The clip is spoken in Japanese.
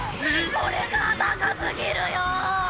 これじゃあ高すぎるよ！